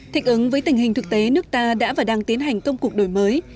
thích ứng với tình hình thực tế nước ta đã và đang tiến hành công cuộc đổi mới